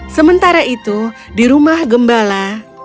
sementara itu di rumah gembala